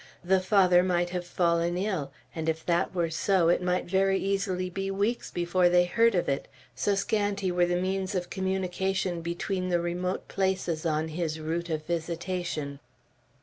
The Father might have fallen ill; and if that were so, it might very easily be weeks before they heard of it, so scanty were the means of communication between the remote places on his route of visitation.